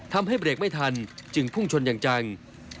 ทำให้เบรกไม่ทันจึงพุ่งชนอย่างจัง